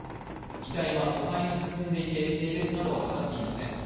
遺体は腐敗が進んでいて性別などは分かっていません。